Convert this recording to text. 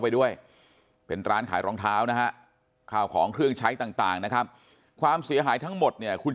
ไปด้วยเป็นร้านขายรองเท้านะฮะข้าวของเครื่องใช้ต่างนะครับความเสียหายทั้งหมดเนี่ยคุณ